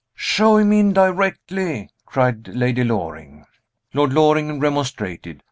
"Show him in directly!" cried Lady Loring. Lord Loring remonstrated.